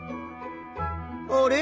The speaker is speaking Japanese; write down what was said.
あれ？